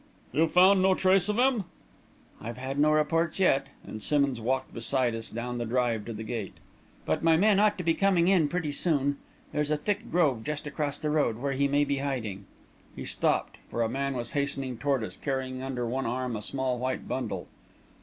"You've found no trace of him?" "I've had no reports yet," and Simmonds walked beside us down the drive to the gate; "but my men ought to be coming in pretty soon. There's a thick grove just across the road, where he may be hiding...." He stopped, for a man was hastening toward us, carrying under one arm a small white bundle.